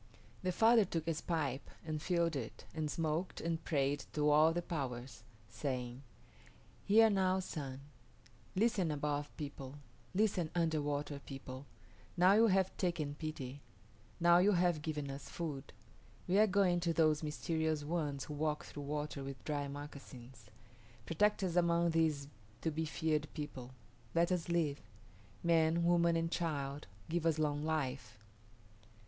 The father took his pipe and filled it, and smoked and prayed to all the powers, saying, "Hear now, Sun; listen, Above People; listen, Underwater People; now you have taken pity; now you have given us food. We are going to those mysterious ones who walk through water with dry moccasins. Protect us among these to be feared people. Let us live. Man, woman, and child, give us long life."